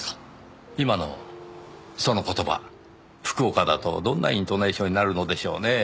今のその言葉福岡だとどんなイントネーションになるのでしょうねぇ？